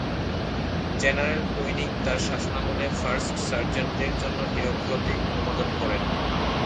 General Twining তার শাসনামলে first সার্জেন্টদের জন্য হীরক প্রতীক অনুমোদন করেন।